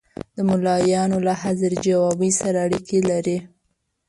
د ملایانو له حاضر جوابي سره اړیکې لري.